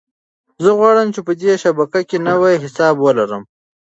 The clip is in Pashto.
زه غواړم چې په دې شبکه کې نوی حساب ولرم.